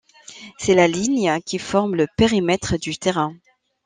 C'est la ligne qui forme le périmètre du terrain.